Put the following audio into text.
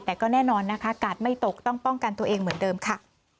แต่ก็แน่นอนนะคะกาดไม่ตกต้องป้องกันตัวเองเหมือนเดิมค่ะ